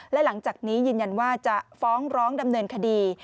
และหลังจากนี้ยืนยันว่าจะฟ้องร้องดำเนินคดี